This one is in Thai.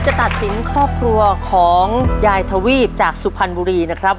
จะตัดสินครอบครัวของยายทวีปจากสุพรรณบุรีนะครับ